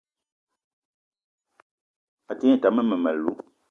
A te ngne tam mmem- alou